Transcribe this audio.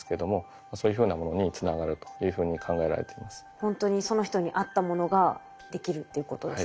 ほんとにその人に合ったものができるってことですかね。